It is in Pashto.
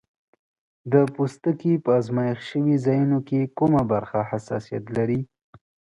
د پوستکي په آزمېښت شوي ځایونو کې کومه برخه حساسیت لري؟